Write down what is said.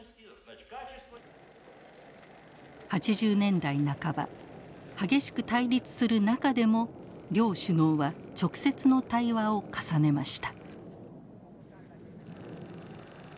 ８０年代半ば激しく対立する中でも両首脳は直接の対話を重ねました。